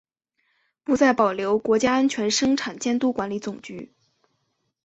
不再保留国家安全生产监督管理总局。